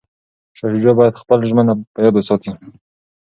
شاه شجاع باید خپله ژمنه په یاد وساتي.